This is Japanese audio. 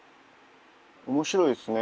面白いですね。